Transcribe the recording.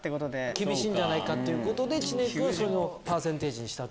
厳しいんじゃないかということで知念君はそのパーセンテージにした。